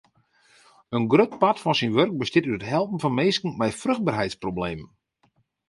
In grut part fan syn wurk bestiet út it helpen fan minsken mei fruchtberheidsproblemen.